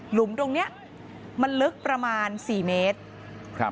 หลุมตรงนี้มันลึกประมาณ๔เมตร